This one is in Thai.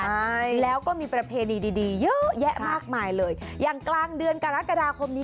ใช่แล้วก็มีประเพณีดีดีเยอะแยะมากมายเลยอย่างกลางเดือนกรกฎาคมนี้